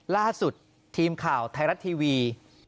ล่าสุดทีมข่าวไทยรัฐทีวี